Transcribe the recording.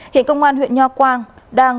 hiện công an huyện nho quan